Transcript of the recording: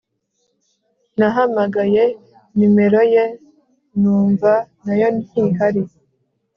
nahamagaye numero ye numva nayo ntihari